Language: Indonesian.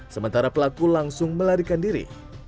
sementara pelaku langsung melarikan diri